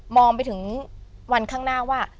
องไปถึงวันข้างหน้าว่า